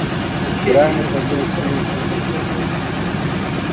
ګرا ني خبري سوې پرې نه پوهېږم